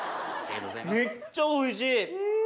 めっちゃおいしい！